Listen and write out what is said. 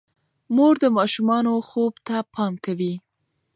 مور د ماشومانو خوب ته پام کوي.